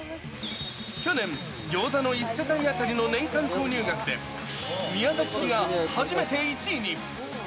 去年、ギョーザの１世帯当たりの年間購入額で、宮崎市が初めて１位に。